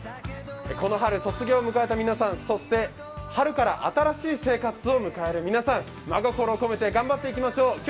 この春卒業を迎えた皆さん、そして春から新しい生活を迎える皆さん、真心込めて頑張っていきましょう。